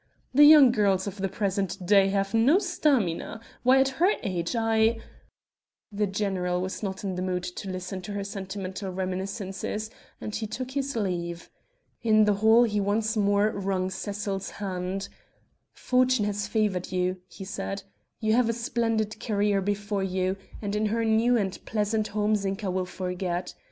"The young girls of the present day have no stamina. Why, at her age I...." The general was not in the mood to listen to her sentimental reminiscences and he took his leave. In the hall he once more wrung Cecil's hand: "Fortune has favored you," he said; "you have a splendid career before you, and in her new and pleasant home Zinka will forget.